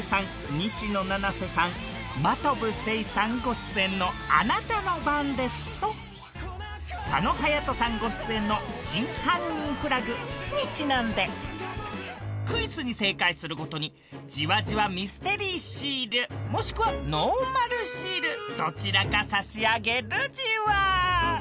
西野七瀬さん真飛聖さんご出演の『あなたの番です』と佐野勇斗さんご出演の『真犯人フラグ』にちなんでクイズに正解するごとにじわじわミステリーシールもしくはノーマルシールどちらか差し上げるじわ。